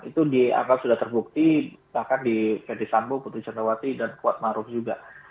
itu dianggap sudah terbukti bahkan di pd sambu putri chandrawati dan kuat maruf juga